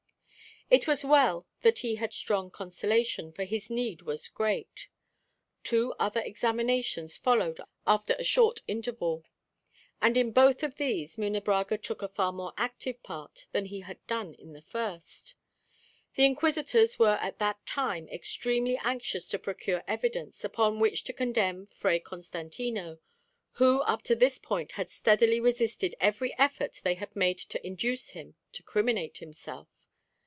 It was well that he had strong consolation, for his need was great. Two other examinations followed after a short interval; and in both of these Munebrãga took a far more active part than he had done in the first. The Inquisitors were at that time extremely anxious to procure evidence upon which to condemn Fray Constantino, who up to this point had steadily resisted every effort they had made to induce him to criminate himself.